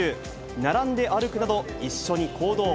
並んで歩くなど、一緒に行動。